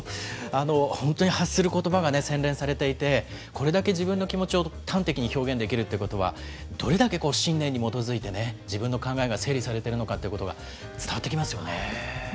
本当に発することばがね、洗練されていて、これだけ自分の気持ちを端的に表現できるということは、どれだけ信念に基づいて自分の考えが整理されているのかということが、伝わってきますよね。